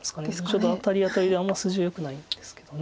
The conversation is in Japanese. ちょっとアタリアタリであんまり筋はよくないんですけど。